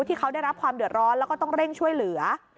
ที่เขาได้รับความเดือดร้อนแล้วก็ต้องเร่งช่วยเหลือ